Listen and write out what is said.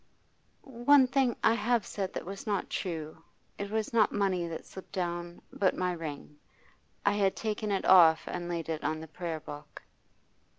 'One thing I have said that was not true. It was not money that slipped down, but my ring. I had taken it off and laid it on the Prayer book.